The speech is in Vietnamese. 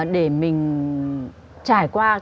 để mình trải qua